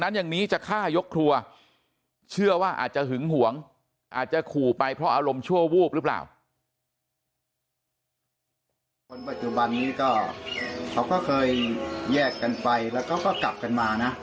คนปัจจุบันนี้ก็เขาก็เคยแยกกันไปแล้วก็กลับกันมานะ